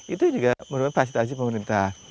itu juga merupakan fasilitasi pemerintah